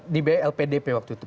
di lpdp waktu itu